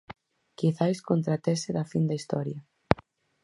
Quizais contra a tese da fin da Historia.